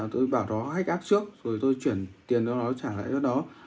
tôi bảo nó hách app trước rồi tôi chuyển tiền cho nó trả lại cho nó